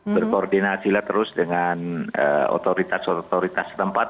berkoordinasi lah terus dengan otoritas otoritas tempat